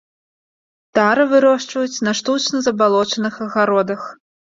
Тара вырошчваюць на штучна забалочаных агародах.